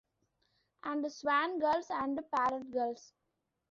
And swan girls and parrot girls.